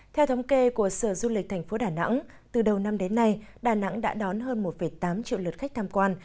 theo thống kê của sở du lịch thành phố đà nẵng từ đầu năm đến nay đà nẵng đã đón hơn một tám triệu lượt khách tham quan